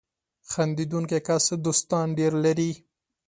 • خندېدونکی کس دوستان ډېر لري.